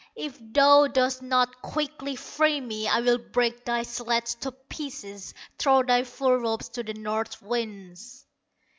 If thou dost not quickly free me, I will break thy sledge to pieces, Throw thy fur robes to the north winds."